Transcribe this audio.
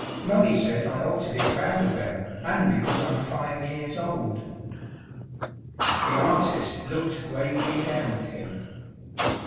"Mummy says I ought to be proud of them, and because I'm five years old." The artist looked gravely down at him.